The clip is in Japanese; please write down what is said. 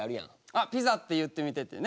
あピザって言ってみてっていうね。